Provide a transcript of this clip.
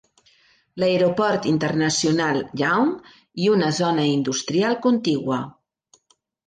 L'aeroport internacional Young i una zona industrial contigua.